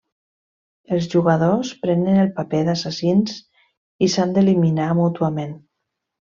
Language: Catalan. Els jugadors prenen el paper d'assassins i s'han d'eliminar mútuament.